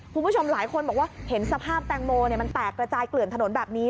คุณผู้ชมหลายคนบอกว่าเห็นสภาพแตงโมมันแตกกระจายเกลื่อนถนนแบบนี้